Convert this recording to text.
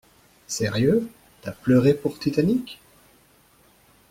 Sérieux? T'as pleuré pour Titanic ?